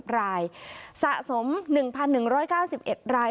รายสะสม๑๑๙๑ราย